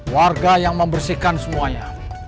warga yang membersihkan semuanya